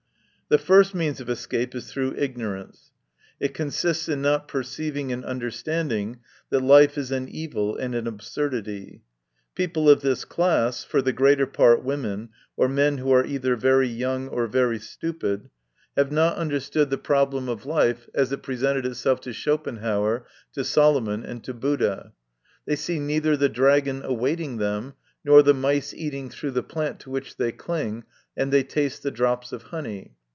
The first means of escape is through ignor ance. It consists in not perceiving and under standing that life is an evil and an absurdity. People of this class for the greater part women, or men who are either very young or very stupid have not understood the problem 66 MY CONFESSION. 67 of life as it presented itself to Schopenhauer, to Solomon, and to Buddha. They see neither the dragon awaiting them, nor the mice eating through the plant to which they cling, and they taste the drops of honey.